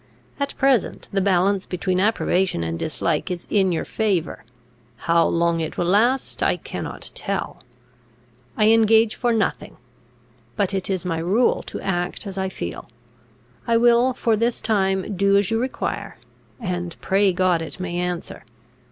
At present, the balance between approbation and dislike is in your favour. How long it will last, I cannot tell; I engage for nothing. But it is my rule to act as I feel. I will for this time do as you require; and, pray God, it may answer.